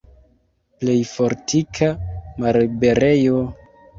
Plej fortika malliberejo!